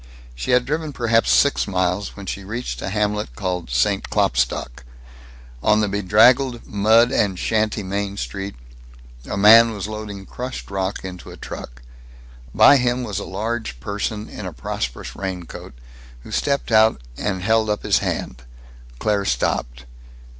She had driven perhaps six miles when she reached a hamlet called St. Klopstock. On the bedraggled mud and shanty main street a man was loading crushed rock into a truck. By him was a large person in a prosperous raincoat, who stepped out, held up his hand. Claire stopped.